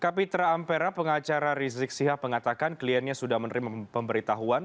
kapitra ampera pengacara rizik sihab mengatakan kliennya sudah menerima pemberitahuan